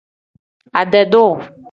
Ade-duu.